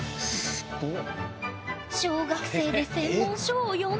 すごっ！